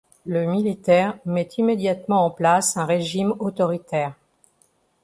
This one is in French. Le militaire met immédiatement en place un régime autoritaire.